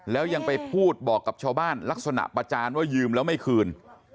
แล้วยังไปพูดบอกกับชาวบ้านลักษณะประจานว่ายืมแล้วไม่คืน